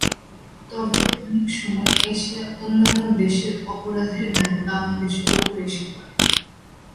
তবে অনেক সময় এশিয়ার অন্যান্য দেশের অপরাধের দায় বাংলাদেশের ওপর এসে পড়ে।